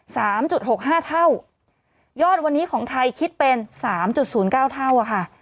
สามจุดหกห้าเท่ายอดวันนี้ของไทยคิดเป็นสามจุดศูนย์เก้าเท่าอ่ะค่ะ